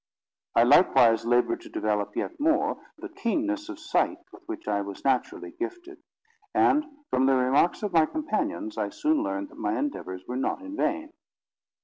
I likewise laboured to develop yet more the keenness of sight with which I was naturally gifted; and, from the remarks of my companions, I soon learned that my endeavours were not in vain.